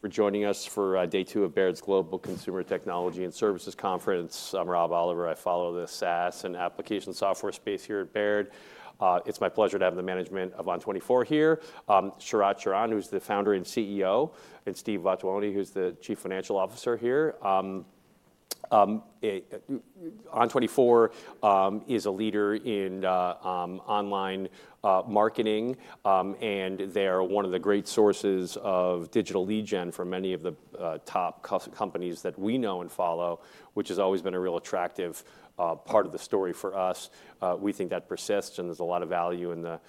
For joining us for day two of Baird's Global Consumer Technology and Services Conference. I'm Rob Oliver. I follow the SaaS and application software space here at Baird. It's my pleasure to have the management of ON24 here. Sharat Sharan, who's the founder and CEO, and Steve Vattuone, who's the Chief Financial Officer here. ON24 is a leader in online marketing, and they're one of the great sources of digital lead gen for many of the top companies that we know and follow, which has always been a real attractive part of the story for us. We think that persists, and there's a lot of value in the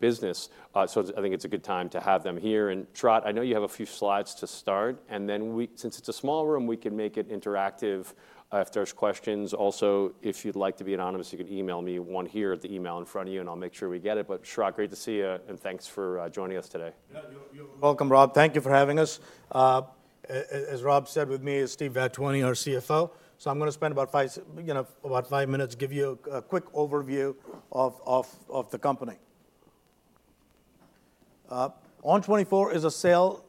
business. So I think it's a good time to have them here, and, Sharat, I know you have a few slides to start, and then since it's a small room, we can make it interactive, if there's questions. Also, if you'd like to be anonymous, you can email me one here at the email in front of you, and I'll make sure we get it. But, Sharat, great to see you, and thanks for joining us today. Yeah, you're welcome, Rob. Thank you for having us. As Rob said, with me is Steve Vattuone, our CFO. So I'm gonna spend about five, you know, about five minutes, give you a quick overview of the company. ON24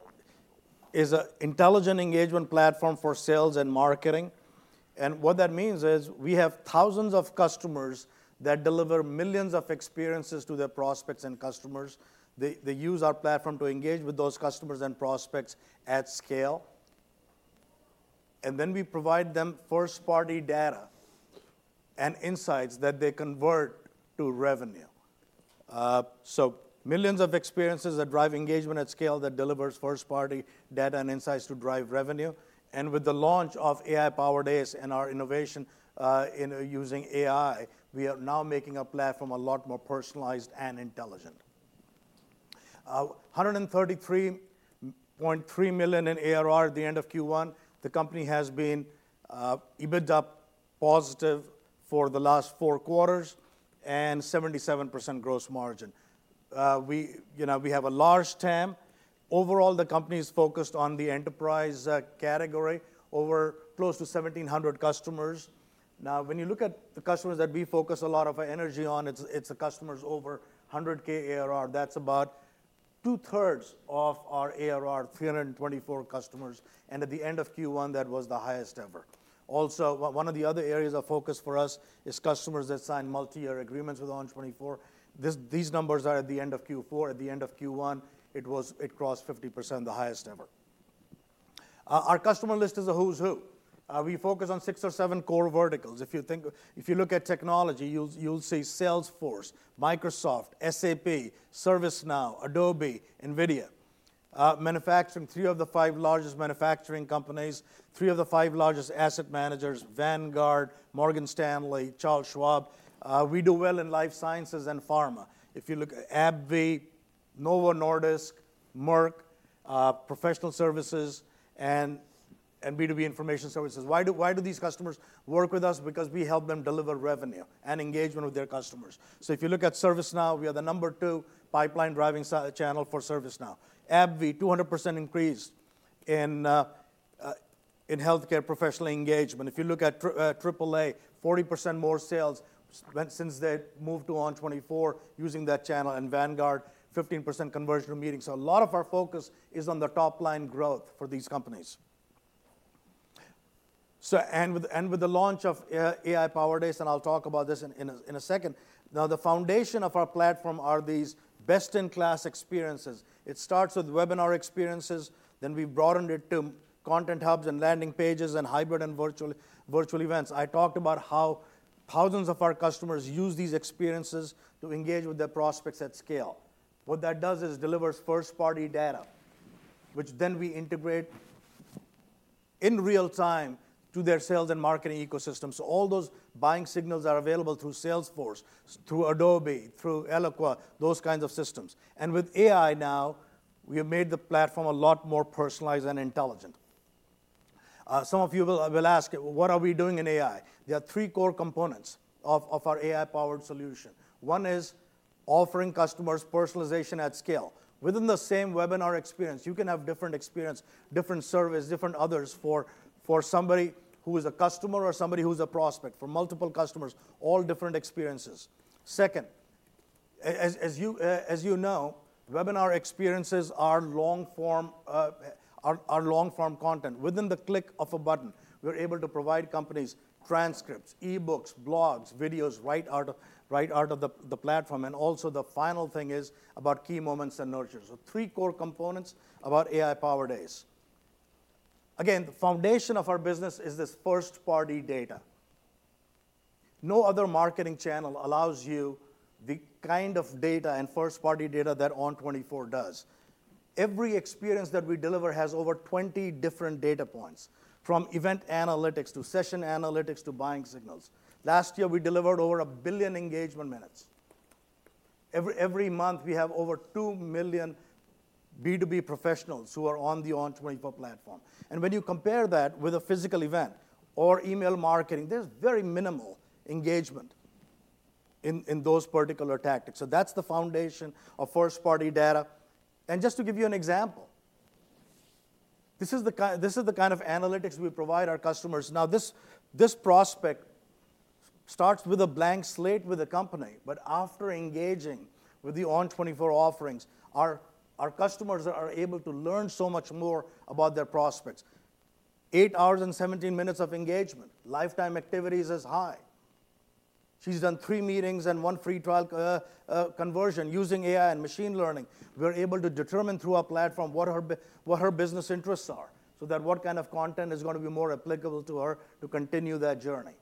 is an intelligent engagement platform for sales and marketing, and what that means is we have thousands of customers that deliver millions of experiences to their prospects and customers. They use our platform to engage with those customers and prospects at scale, and then we provide them first-party data and insights that they convert to revenue. So millions of experiences that drive engagement at scale that delivers first-party data and insights to drive revenue, and with the launch of AI-powered ACE and our innovation in using AI, we are now making our platform a lot more personalized and intelligent. $133.3 million in ARR at the end of Q1. The company has been EBITDA positive for the last four quarters, and 77% gross margin. We, you know, we have a large TAM. Overall, the company is focused on the enterprise category, over close to 1,700 customers. Now, when you look at the customers that we focus a lot of our energy on, it's the customers over 100K ARR. That's about two-thirds of our ARR, 324 customers, and at the end of Q1, that was the highest ever. Also, one of the other areas of focus for us is customers that sign multi-year agreements with ON24. These numbers are at the end of Q4. At the end of Q1, it was it crossed 50%, the highest ever. Our customer list is a who's who. We focus on six or seven core verticals. If you look at technology, you'll see Salesforce, Microsoft, SAP, ServiceNow, Adobe, NVIDIA. Manufacturing, three of the five largest manufacturing companies, three of the five largest asset managers, Vanguard, Morgan Stanley, Charles Schwab. We do well in life sciences and pharma. If you look at AbbVie, Novo Nordisk, Merck, professional services, and B2B information services. Why do these customers work with us? Because we help them deliver revenue and engagement with their customers. So if you look at ServiceNow, we are the number 2 pipeline driving channel for ServiceNow. AbbVie, 200% increase in healthcare professional engagement. If you look at 40% more sales since they moved to ON24, using that channel, and Vanguard, 15% conversion meetings. So a lot of our focus is on the top-line growth for these companies. And with the launch of AI-powered ACE, and I'll talk about this in a second. Now, the foundation of our platform are these best-in-class experiences. It starts with webinar experiences, then we broadened it to content hubs and landing pages and hybrid and virtual events. I talked about how thousands of our customers use these experiences to engage with their prospects at scale. What that does is delivers first-party data, which then we integrate in real time to their sales and marketing ecosystem. So all those buying signals are available through Salesforce, through Adobe, through Eloqua, those kinds of systems. And with AI now, we have made the platform a lot more personalized and intelligent. Some of you will ask, "What are we doing in AI?" There are three core components of our AI-powered solution. One is offering customers personalization at scale. Within the same webinar experience, you can have different experience, different service, different others for somebody who is a customer or somebody who's a prospect, for multiple customers, all different experiences. Second, as you know, webinar experiences are long-form content. Within the click of a button, we're able to provide companies transcripts, e-books, blogs, videos, right out of the platform. And also, the final thing is about key moments and nurtures. So three core components about AI-powered ACE. Again, the foundation of our business is this first-party data. No other marketing channel allows you the kind of data and first-party data that ON24 does. Every experience that we deliver has over 20 different data points, from event analytics, to session analytics, to buying signals. Last year, we delivered over 1 billion engagement minutes. Every month, we have over 2 million B2B professionals who are on the ON24 platform. And when you compare that with a physical event or email marketing, there's very minimal engagement in those particular tactics. So that's the foundation of first-party data. And just to give you an example, this is the kind of analytics we provide our customers. Now, this prospect starts with a blank slate with a company, but after engaging with the ON24 offerings, our customers are able to learn so much more about their prospects. 8 hours and 17 minutes of engagement, lifetime activities is high. She's done three meetings and one free trial, conversion. Using AI and machine learning, we're able to determine through our platform what her business interests are, so that what kind of content is gonna be more applicable to her to continue that journey?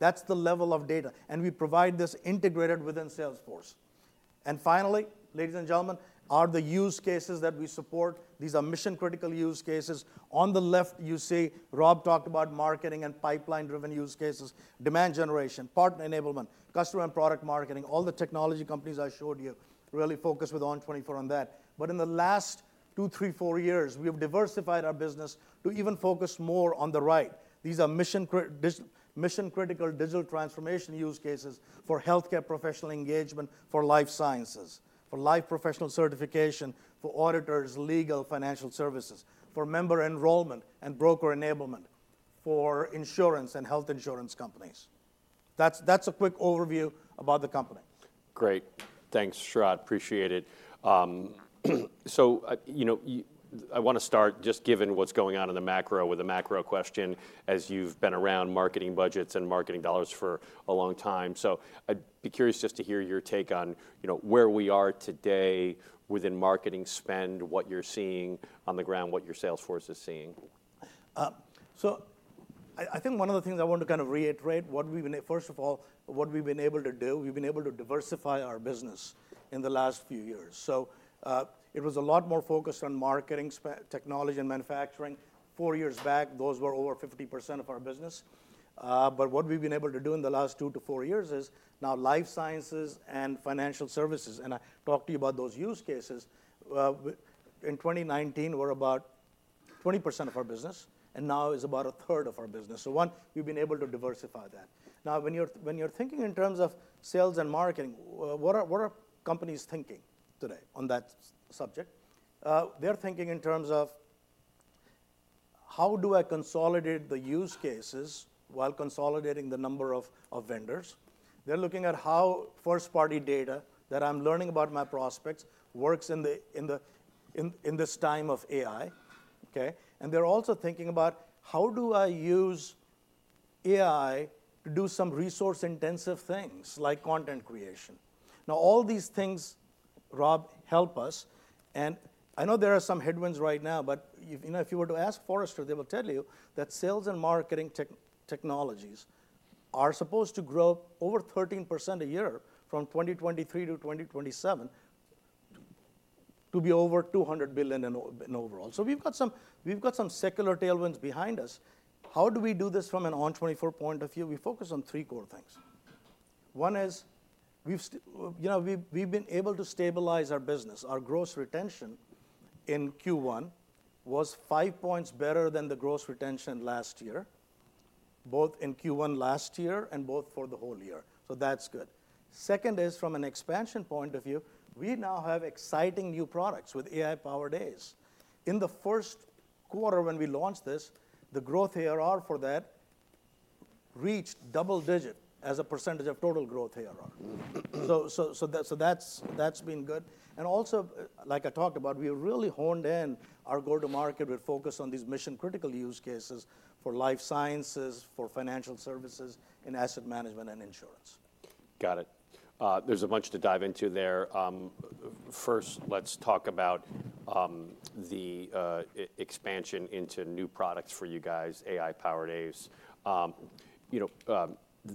That's the level of data, and we provide this integrated within Salesforce. Finally, ladies and gentlemen, are the use cases that we support. These are mission-critical use cases. On the left, you see Rob talked about marketing and pipeline-driven use cases, demand generation, partner enablement, customer and product marketing. All the technology companies I showed you really focus with ON24 on that. But in the last two, three, four years, we have diversified our business to even focus more on the right. These are mission-critical digital transformation use cases for healthcare professional engagement, for life sciences, for life professional certification, for auditors, legal, financial services, for member enrollment and broker enablement, for insurance and health insurance companies. That's, that's a quick overview about the company. Great. Thanks, Sharat, appreciate it. So, you know, I wanna start just given what's going on in the macro, with a macro question, as you've been around marketing budgets and marketing dollars for a long time. So I'd be curious just to hear your take on, you know, where we are today within marketing spend, what you're seeing on the ground, what your sales force is seeing. So I think one of the things I want to kind of reiterate, what we've been able to do. First of all, what we've been able to do, we've been able to diversify our business in the last few years. So, it was a lot more focused on marketing technology, and manufacturing. Four years back, those were over 50% of our business. But what we've been able to do in the last 2-4 years is, now life sciences and financial services, and I talked to you about those use cases. In 2019, were about 20% of our business, and now is about a third of our business. So one, we've been able to diversify that. Now, when you're thinking in terms of sales and marketing, what are companies thinking today on that subject? They're thinking in terms of, "How do I consolidate the use cases while consolidating the number of vendors?" They're looking at how first-party data that I'm learning about my prospects works in this time of AI, okay? And they're also thinking about, "How do I use AI to do some resource-intensive things, like content creation?" Now, all these things, Rob, help us, and I know there are some headwinds right now, but if, you know, if you were to ask Forrester, they will tell you that sales and marketing technologies are supposed to grow over 13% a year from 2023 to 2027, to be over $200 billion in overall. So we've got some secular tailwinds behind us. How do we do this from an ON24 point of view? We focus on three core things. One is, you know, we've been able to stabilize our business. Our gross retention in Q1 was five points better than the gross retention last year, both in Q1 last year and both for the whole year, so that's good. Second is, from an expansion point of view, we now have exciting new products with AI-powered ACE. In the first quarter when we launched this, the growth ARR for that reached double-digit as a percentage of total growth ARR. So that's been good. And also, like I talked about, we have really honed in our go-to-market with focus on these mission-critical use cases for life sciences, for financial services, and asset management and insurance. Got it. There's a bunch to dive into there. First, let's talk about the expansion into new products for you guys, AI-powered ACE. You know,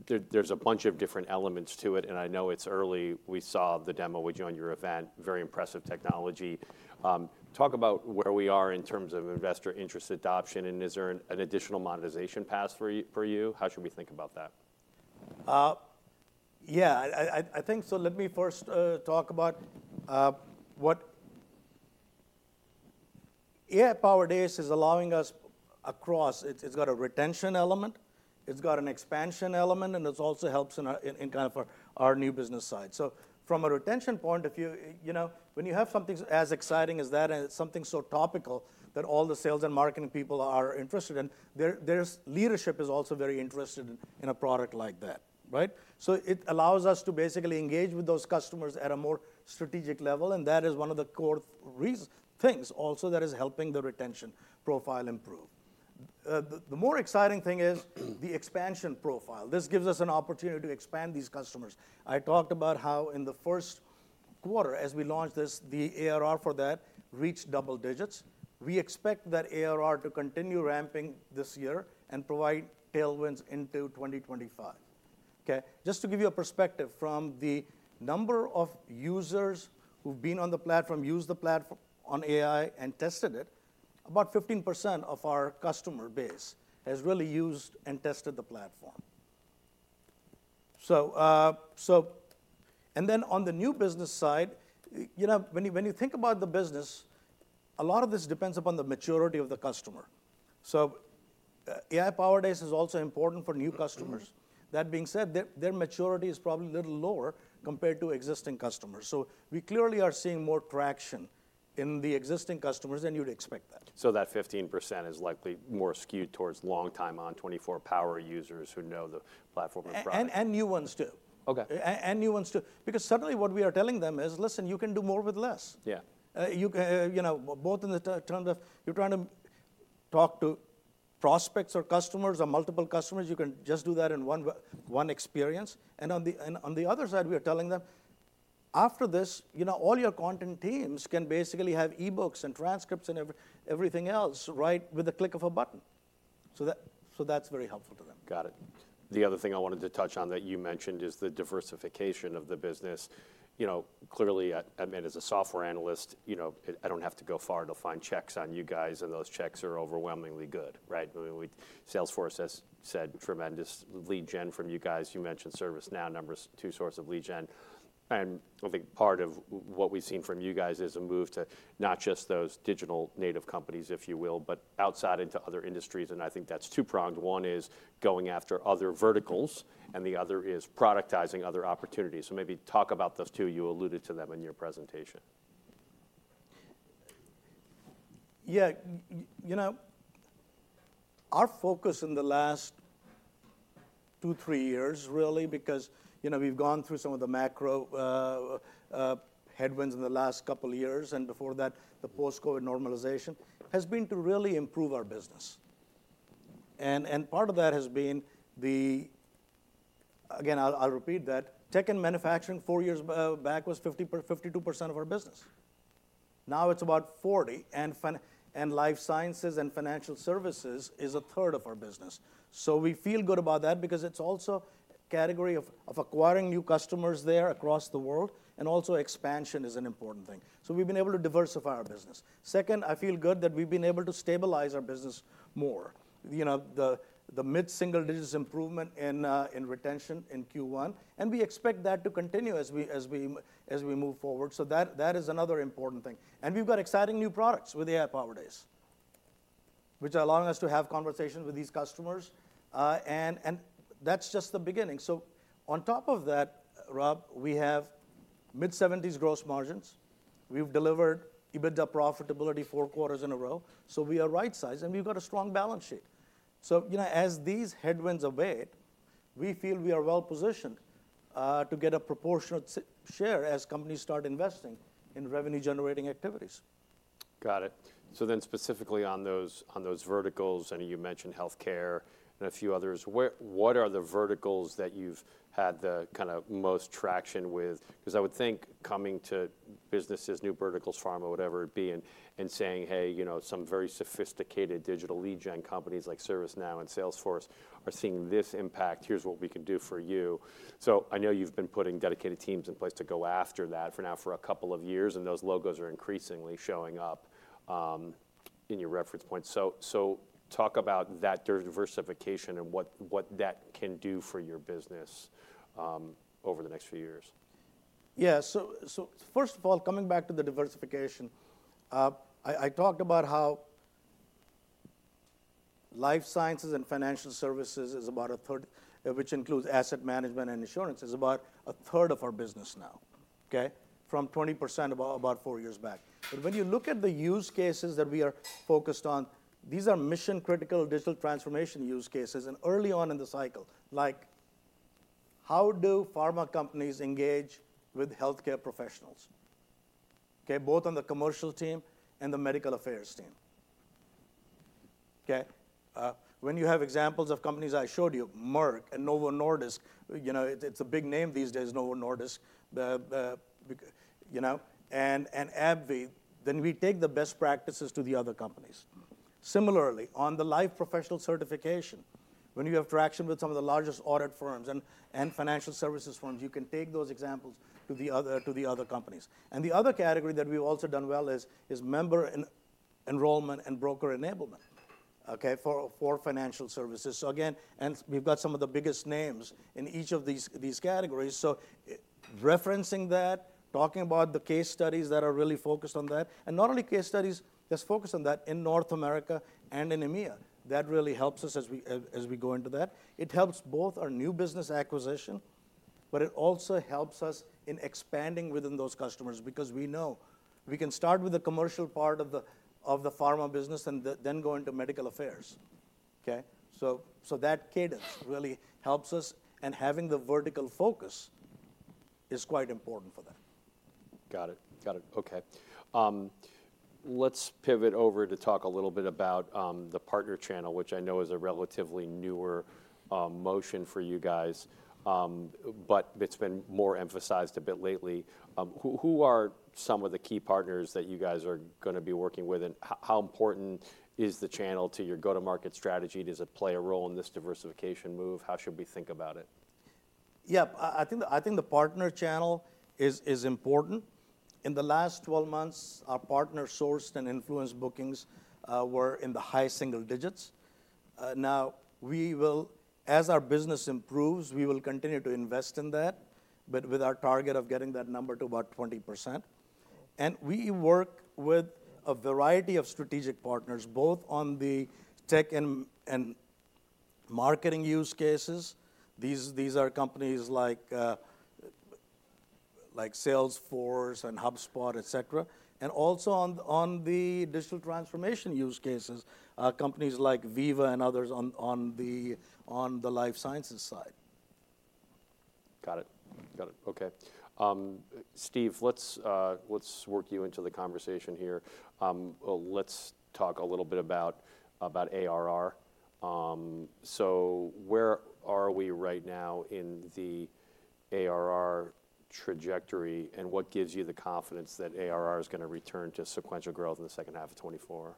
there's a bunch of different elements to it, and I know it's early. We saw the demo with you on your event, very impressive technology. Talk about where we are in terms of investor interest adoption, and is there an additional monetization path for you? How should we think about that? Yeah, I think so. Let me first talk about what AI-powered ACE is allowing us across. It's got a retention element, it's got an expansion element, and it also helps in our new business side. So from a retention point of view, you know, when you have something as exciting as that and something so topical that all the sales and marketing people are interested in, their leadership is also very interested in a product like that, right? So it allows us to basically engage with those customers at a more strategic level, and that is one of the core reasons things also that is helping the retention profile improve. The more exciting thing is, the expansion profile. This gives us an opportunity to expand these customers. I talked about how in the first quarter, as we launched this, the ARR for that reached double digits. We expect that ARR to continue ramping this year and provide tailwinds into 2025, okay? Just to give you a perspective, from the number of users who've been on the platform, used the platform on AI and tested it, about 15% of our customer base has really used and tested the platform. So, and then on the new business side, you know, when you think about the business. A lot of this depends upon the maturity of the customer. So, ON24 ACE is also important for new customers. That being said, their maturity is probably a little lower compared to existing customers. So we clearly are seeing more traction in the existing customers, and you'd expect that. That 15% is likely more skewed towards long-time ON24 power users who know the platform and product. And new ones, too. Okay. And new ones, too. Because suddenly what we are telling them is, "Listen, you can do more with less. Yeah. You can, you know, both in the terms of you're trying to talk to prospects or customers or multiple customers, you can just do that in one experience. And on the other side, we are telling them, "After this, you know, all your content teams can basically have e-books and transcripts and everything else, right? With a click of a button." So that's very helpful to them. Got it. The other thing I wanted to touch on that you mentioned is the diversification of the business. You know, clearly, I mean, as a software analyst, you know, it. I don't have to go far to find checks on you guys, and those checks are overwhelmingly good, right? I mean, Salesforce has said tremendous lead gen from you guys. You mentioned ServiceNow, number two source of lead gen. And I think part of what we've seen from you guys is a move to not just those digital native companies, if you will, but outside into other industries, and I think that's two-pronged. One is going after other verticals, and the other is productizing other opportunities. So maybe talk about those two. You alluded to them in your presentation. Yeah, you know, our focus in the last 2-3 years, really, because, you know, we've gone through some of the macro headwinds in the last couple of years, and before that, the post-COVID normalization, has been to really improve our business. And part of that has been the... Again, I'll repeat that. Tech and manufacturing, four years back was 52% of our business. Now, it's about 40%, and life sciences and financial services is a third of our business. So we feel good about that because it's also category of acquiring new customers there across the world, and also expansion is an important thing. So we've been able to diversify our business. Second, I feel good that we've been able to stabilize our business more. You know, the mid-single digits improvement in retention in Q1, and we expect that to continue as we move forward. So that is another important thing. And we've got exciting new products with the ON24 ACE, which are allowing us to have conversations with these customers, and that's just the beginning. So on top of that, Rob, we have mid-seventies gross margins. We've delivered EBITDA profitability four quarters in a row, so we are right size, and we've got a strong balance sheet. So, you know, as these headwinds abate, we feel we are well positioned to get a proportionate share as companies start investing in revenue-generating activities. Got it. So then, specifically on those verticals, I know you mentioned healthcare and a few others, what are the verticals that you've had the kind of most traction with? 'Cause I would think coming to businesses, new verticals, pharma, whatever it be, and saying: "Hey, you know, some very sophisticated digital lead gen companies like ServiceNow and Salesforce are seeing this impact. Here's what we can do for you." So I know you've been putting dedicated teams in place to go after that for now, for a couple of years, and those logos are increasingly showing up in your reference points. So talk about that diversification and what that can do for your business over the next few years. Yeah, so first of all, coming back to the diversification, I talked about how life sciences and financial services is about a third, which includes asset management and insurance, is about a third of our business now, okay? From 20% about four years back. But when you look at the use cases that we are focused on, these are mission-critical digital transformation use cases, and early on in the cycle. Like, how do pharma companies engage with healthcare professionals? Okay, both on the commercial team and the medical affairs team. Okay, when you have examples of companies I showed you, Merck and Novo Nordisk, you know, it's a big name these days, and AbbVie, then we take the best practices to the other companies. Similarly, on the life professional certification, when you have traction with some of the largest audit firms and financial services firms, you can take those examples to the other companies. And the other category that we've also done well is member and enrollment and broker enablement, okay? For financial services. So again, and we've got some of the biggest names in each of these categories, so referencing that, talking about the case studies that are really focused on that, and not only case studies that's focused on that in North America and in EMEA. That really helps us as we go into that. It helps both our new business acquisition, but it also helps us in expanding within those customers because we know we can start with the commercial part of the pharma business and then go into medical affairs. Okay? So that cadence really helps us, and having the vertical focus is quite important for that. Got it. Got it. Okay, let's pivot over to talk a little bit about the partner channel, which I know is a relatively newer motion for you guys, but it's been more emphasized a bit lately. Who, who are some of the key partners that you guys are gonna be working with, and how important is the channel to your go-to-market strategy? Does it play a role in this diversification move? How should we think about it? Yeah, I think the partner channel is important. In the last 12 months, our partner sourced and influenced bookings were in the high single digits. Now we will, as our business improves, continue to invest in that, but with our target of getting that number to about 20%. We work with a variety of strategic partners, both on the tech and marketing use cases. These are companies like Salesforce and HubSpot, et cetera, and also on the digital transformation use cases, companies like Veeva and others on the life sciences side. Got it. Got it, okay. Steve, let's work you into the conversation here. Let's talk a little bit about ARR. So where are we right now in the ARR trajectory, and what gives you the confidence that ARR is gonna return to sequential growth in the second half of 2024?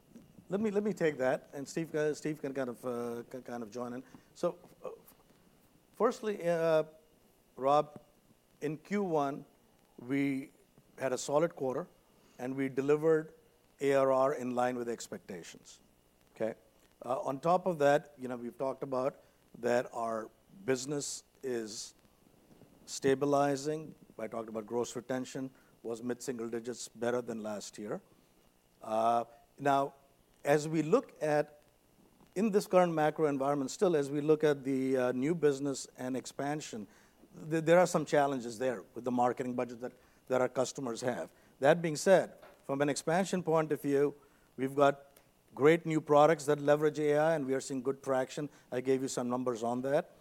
Let me take that, and Steve, Steve can kind of join in. So firstly, Rob, in Q1, we had a solid quarter, and we delivered ARR in line with expectations, okay? On top of that, you know, we've talked about that our business is stabilizing. I talked about gross retention, was mid-single digits, better than last year. Now, as we look at... In this current macro environment, still as we look at the new business and expansion, there are some challenges there with the marketing budget that our customers have. That being said, from an expansion point of view, we've got great new products that leverage AI, and we are seeing good traction. I gave you some numbers on that.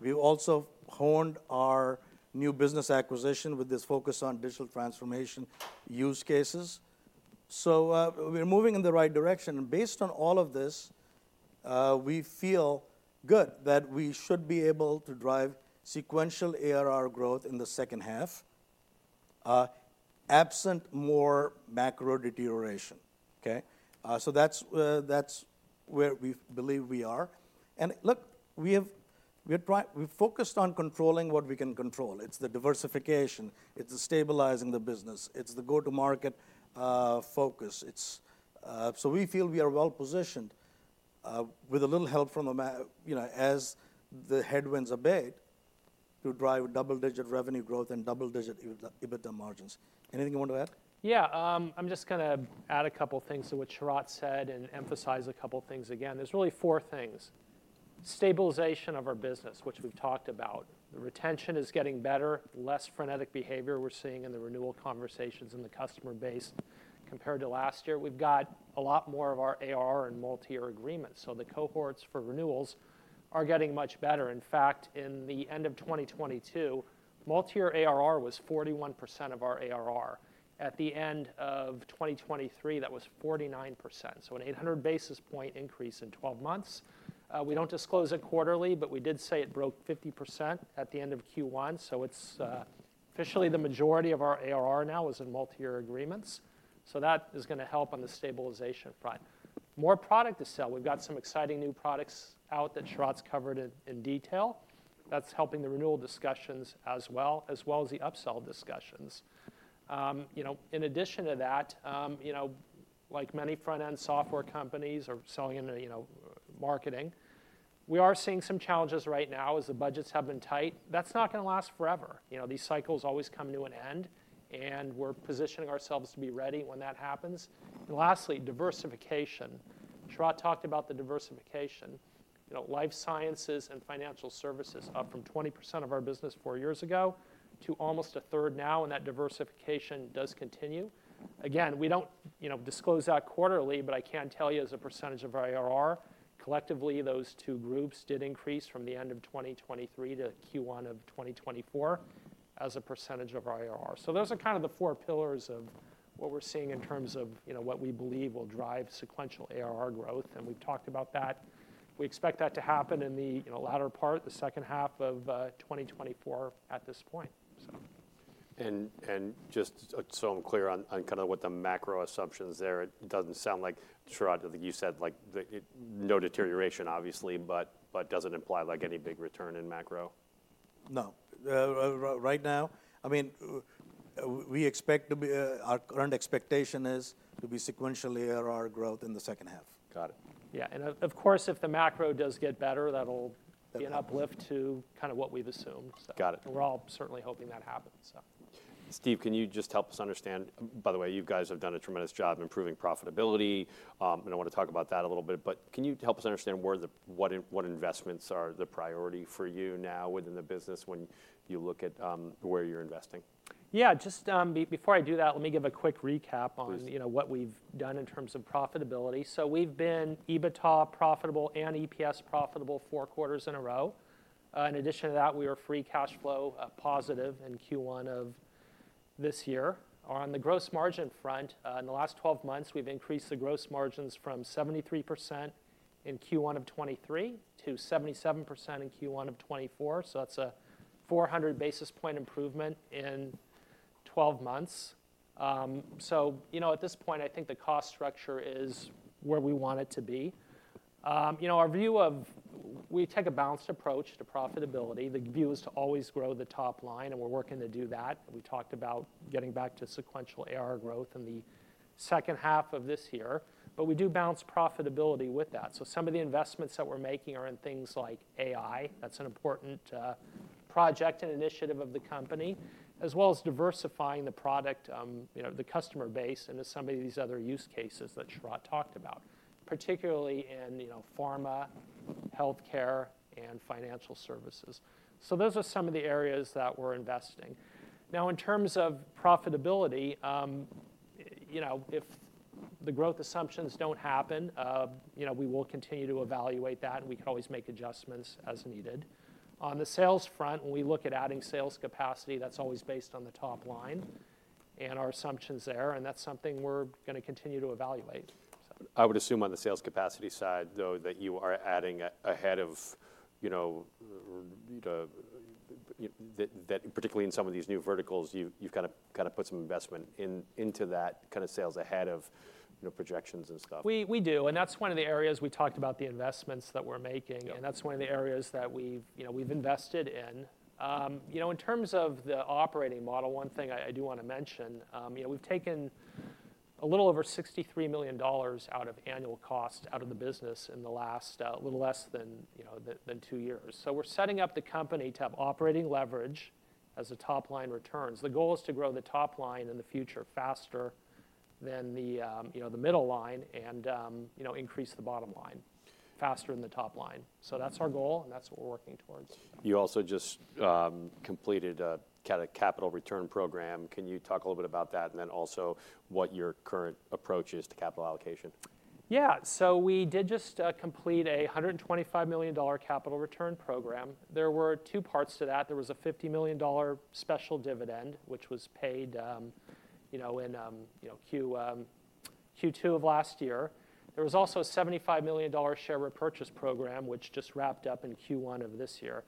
We've also honed our new business acquisition with this focus on digital transformation use cases. So, we're moving in the right direction, and based on all of this, we feel good that we should be able to drive sequential ARR growth in the second half, absent more macro deterioration, okay? So that's where we believe we are. And look, we've focused on controlling what we can control. It's the diversification, it's stabilizing the business, it's the go-to-market focus. It's. So we feel we are well positioned, with a little help from macro, you know, as the headwinds abate, to drive double-digit revenue growth and double-digit EBITDA margins. Anything you want to add? Yeah, I'm just gonna add a couple things to what Sharat said and emphasize a couple things again. There's really four things. Stabilization of our business, which we've talked about. The retention is getting better, less frenetic behavior we're seeing in the renewal conversations in the customer base compared to last year. We've got a lot more of our ARR in multi-year agreements, so the cohorts for renewals are getting much better. In fact, in the end of 2022, multi-year ARR was 41% of our ARR. At the end of 2023, that was 49%, so an 800 basis point increase in 12 months. We don't disclose it quarterly, but we did say it broke 50% at the end of Q1, so it's officially the majority of our ARR now is in multi-year agreements. So that is gonna help on the stabilization front. More product to sell. We've got some exciting new products out that Sharat's covered in detail. That's helping the renewal discussions as well, as well as the upsell discussions. You know, in addition to that, you know, like many front-end software companies are selling into, you know, marketing, we are seeing some challenges right now as the budgets have been tight. That's not gonna last forever. You know, these cycles always come to an end, and we're positioning ourselves to be ready when that happens. And lastly, diversification. Sharat talked about the diversification. You know, life sciences and financial services, up from 20% of our business four years ago to almost a third now, and that diversification does continue. Again, we don't, you know, disclose that quarterly, but I can tell you as a percentage of our ARR, collectively, those two groups did increase from the end of 2023 to Q1 of 2024, as a percentage of our ARR. So those are kind of the four pillars of what we're seeing in terms of, you know, what we believe will drive sequential ARR growth, and we've talked about that. We expect that to happen in the, in the latter part, the second half of, 2024 at this point, so. And just so I'm clear on kinda what the macro assumption is there, it doesn't sound like, Sharat, I think you said, like, the no deterioration, obviously, but does it imply, like, any big return in macro? No. Right now, I mean, we expect to be. Our current expectation is to be sequential ARR growth in the second half. Got it. Yeah. And of course, if the macro does get better, that'll be an uplift to kinda what we've assumed, so. Got it. We're all certainly hoping that happens, so. Steve, can you just help us understand. By the way, you guys have done a tremendous job in improving profitability, and I wanna talk about that a little bit, but can you help us understand where the, what in, what investments are the priority for you now within the business when you look at, where you're investing? Yeah, just, before I do that, let me give a quick recap on, Please You know, what we've done in terms of profitability. So we've been EBITDA profitable and EPS profitable four quarters in a row. In addition to that, we are free cash flow positive in Q1 of this year. On the gross margin front, in the last 12 months, we've increased the gross margins from 73% in Q1 of 2023, to 77% in Q1 of 2024, so that's a 400 basis point improvement in 12 months. So, you know, at this point, I think the cost structure is where we want it to be. You know, our view of. We take a balanced approach to profitability. The view is to always grow the top line, and we're working to do that. We talked about getting back to sequential ARR growth in the second half of this year, but we do balance profitability with that. So some of the investments that we're making are in things like AI, that's an important project and initiative of the company, as well as diversifying the product, you know, the customer base, into some of these other use cases that Sharat talked about, particularly in, you know, pharma, healthcare, and financial services. So those are some of the areas that we're investing. Now, in terms of profitability, you know, if the growth assumptions don't happen, you know, we will continue to evaluate that, and we can always make adjustments as needed. On the sales front, when we look at adding sales capacity, that's always based on the top line and our assumptions there, and that's something we're gonna continue to evaluate, so. I would assume on the sales capacity side, though, that you are adding ahead of, you know, that particularly in some of these new verticals, you've gotta put some investment into that kinda sales ahead of, you know, projections and stuff. We do, and that's one of the areas we talked about the investments that we're making. Yeah And that's one of the areas that we've, you know, we've invested in. You know, in terms of the operating model, one thing I do wanna mention, you know, we've taken a little over $63 million out of annual cost, out of the business in the last little less than two years. So we're setting up the company to have operating leverage as the top line returns. The goal is to grow the top line in the future faster than the middle line and increase the bottom line faster than the top line. That's our goal, and that's what we're working towards. You also just completed a capital return program. Can you talk a little bit about that, and then also what your current approach is to capital allocation? Yeah, so we did just complete a $125 million capital return program. There were two parts to that. There was a $50 million special dividend, which was paid, you know, in, you know, Q2 of last year. There was also a $75 million share repurchase program, which just wrapped up in Q1 of this year.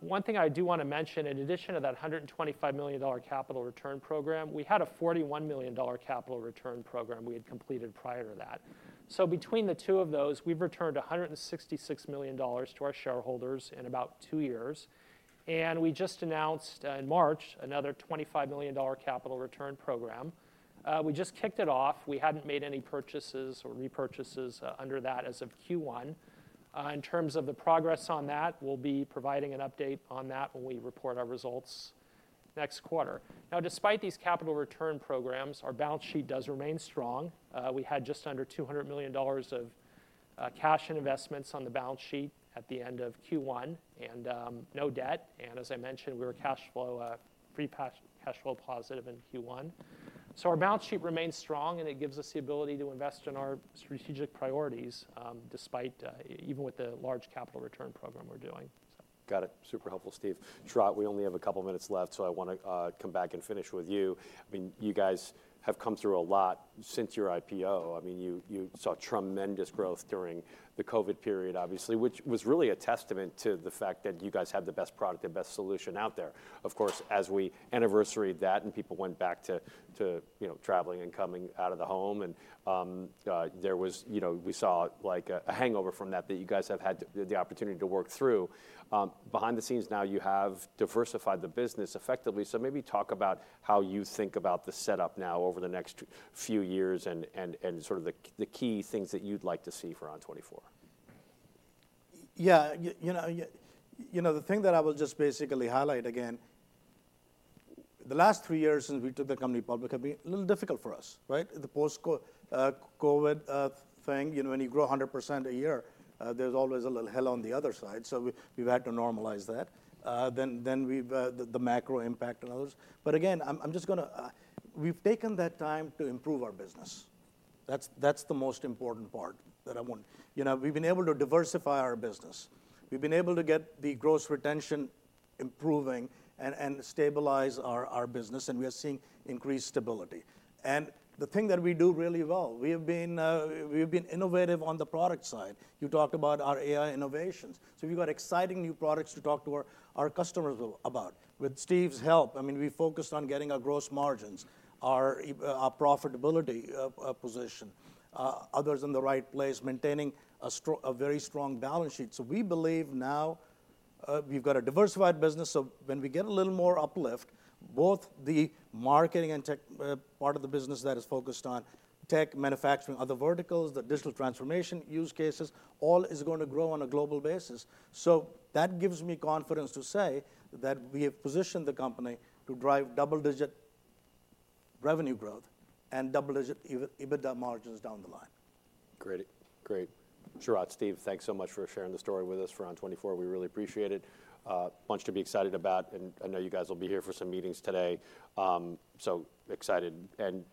One thing I do wanna mention, in addition to that $125 million capital return program, we had a $41 million capital return program we had completed prior to that. So between the two of those, we've returned $166 million to our shareholders in about two years, and we just announced, in March, another $25 million capital return program. We just kicked it off. We hadn't made any purchases or repurchases under that as of Q1. In terms of the progress on that, we'll be providing an update on that when we report our results next quarter. Now, despite these capital return programs, our balance sheet does remain strong. We had just under $200 million of cash and investments on the balance sheet at the end of Q1, and no debt, and as I mentioned, we were cashflow positive in Q1. So our balance sheet remains strong, and it gives us the ability to invest in our strategic priorities, despite even with the large capital return program we're doing. Got it. Super helpful, Steve. Sharat, we only have a couple minutes left, so I wanna come back and finish with you. I mean, you guys have come through a lot since your IPO. I mean, you saw tremendous growth during the COVID period, obviously, which was really a testament to the fact that you guys had the best product, the best solution out there. Of course, as we anniversaried that and people went back to you know, traveling and coming out of the home, and there was, you know, we saw, like a hangover from that that you guys have had the opportunity to work through. Behind the scenes now, you have diversified the business effectively. So maybe talk about how you think about the setup now over the next few years and, and, and sort of the key things that you'd like to see for ON24. Yeah, you know, you know, the thing that I will just basically highlight again, the last three years since we took the company public, have been a little difficult for us, right? The post-COVID thing, you know, when you grow 100% a year, there's always a little hell on the other side. So we've had to normalize that. Then we've had the macro impact on others. But again, I'm just gonna. We've taken that time to improve our business. That's the most important part that I want. You know, we've been able to diversify our business. We've been able to get the gross retention improving and stabilize our business, and we are seeing increased stability. And the thing that we do really well, we have been innovative on the product side. You talked about our AI innovations. So we've got exciting new products to talk to our customers about. With Steve's help, I mean, we focused on getting our gross margins, our profitability position, others in the right place, maintaining a very strong balance sheet. So we believe now, we've got a diversified business, so when we get a little more uplift, both the marketing and tech part of the business that is focused on tech, manufacturing, other verticals, the digital transformation use cases, all is gonna grow on a global basis. So that gives me confidence to say that we have positioned the company to drive double-digit revenue growth and double-digit EBITDA margins down the line. Great. Great. Sharat, Steve, thanks so much for sharing the story with us for ON24. We really appreciate it. Much to be excited about, and I know you guys will be here for some meetings today. So excited, and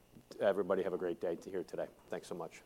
everybody have a great day here today. Thanks so much.